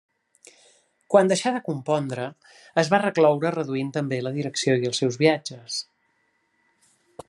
Quan deixà de compondre es va recloure, reduint també la direcció i els seus viatges.